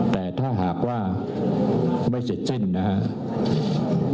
แต่ถ้าหากว่าไม่เสร็จสิ้นนะครับ